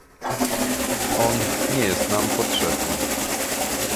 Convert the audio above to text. on nie jest nam potrzebny